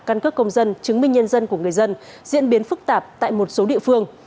căn cước công dân chứng minh nhân dân của người dân diễn biến phức tạp tại một số địa phương